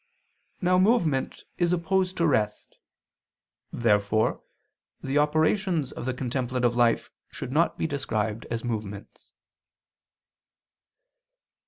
Now movement is opposed to rest. Therefore the operations of the contemplative life should not be described as movements.